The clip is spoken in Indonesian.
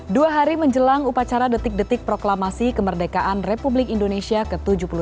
dua hari menjelang upacara detik detik proklamasi kemerdekaan republik indonesia ke tujuh puluh tiga